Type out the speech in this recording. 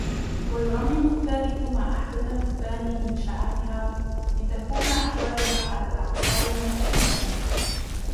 وَيُرَمِّمُ الثَّالِثُ مَا أَحْدَثَهُ الثَّانِي مِنْ شَعَثِهَا لِتَكُونَ أَحْوَالُهَا عَلَى الْأَعْصَارِ مُلْتَئِمَةً